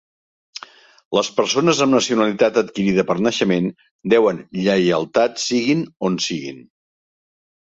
Les persones amb nacionalitat adquirida per naixement deuen lleialtat siguin on siguin.